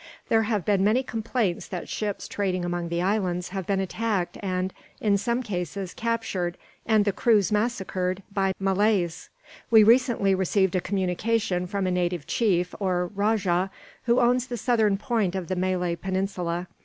There have been many complaints that ships trading among the islands have been attacked and, in some cases, captured and the crews massacred, by Malays. We recently received a communication from a native chief, or rajah, who owns the southern point of the Malay Peninsula.